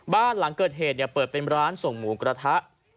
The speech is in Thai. บ้านหลังเกิดเหตุเปิดเป็นร้านส่งหมูกระทะ